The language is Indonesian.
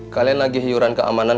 kalian lagi hiyuran keamanan